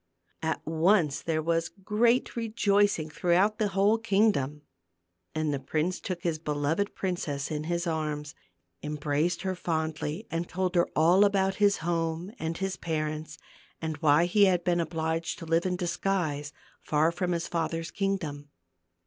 At once there was great rejoicing throughout the whole kingdom. And the prince took his beloved princess in his arms, embraced her fondly and told her all about his home, and his parents, and why he had been obliged to live in disguise, far from his father's kingdom.